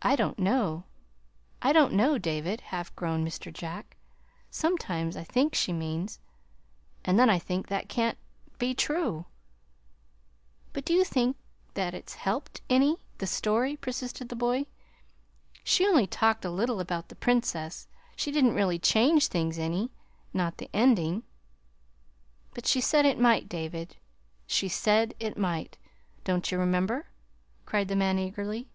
"I don't know I don't know, David," half groaned Mr. Jack. "Sometimes I think she means and then I think that can't be true." "But do you think it's helped it any the story?" persisted the boy. "She's only talked a little about the Princess. She didn't really change things any not the ending." "But she said it might, David she said it might! Don't you remember?" cried the man eagerly.